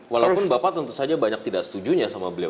walaupun bapak tentu saja banyak tidak setujunya sama beliau